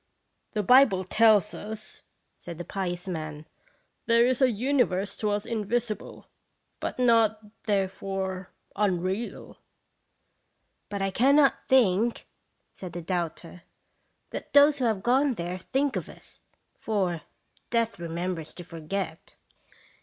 "The Bible tells us," said the pious man, "' There is a universe to us invisible, but not, therefore, unreal."' "But I cannot think," said the doubter, "that those who have gone there think of us; for ' Death remembers to forget.'